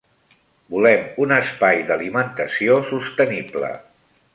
Volem un espai d'alimentació sostenible.